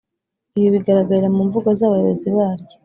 Ibi bigaragarira mu mvugo z abayobozi baryo